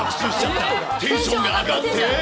テンションが上がって？